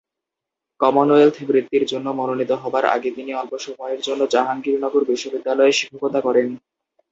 Commonwealth বৃত্তির জন্য মনোনীত হবার আগে তিনি অল্প সময়ের জন্য জাহাঙ্গীরনগর বিশ্ববিদ্যালয়ে শিক্ষকতা করেন।